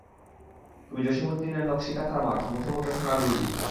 তুমি জসীম উদ্দিনের নকশী কাথার মাঠ, মুঠো মুঠো সোনার ধুলি।